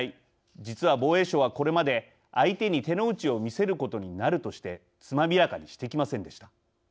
実は防衛省はこれまで相手に手の内を見せることになるとしてつまびらかにしてきませんでした。